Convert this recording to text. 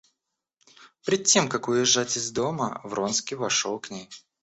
Пред тем как уезжать из дома, Вронский вошел к ней.